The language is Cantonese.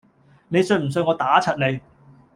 你信唔信我打柒你？